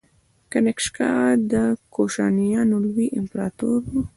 کنیشکا د کوشانیانو لوی امپراتور و